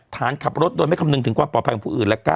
ฐานขับรถโดยไม่คำนึงถึงความปลอดภัยของผู้อื่น